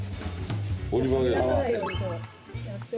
折り曲げる。